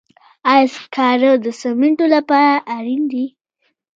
آیا سکاره د سمنټو لپاره اړین دي؟